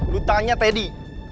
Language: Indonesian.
lo tanya teddy